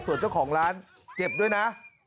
ส่วนเจ้าของร้านเจ็บด้วยนะ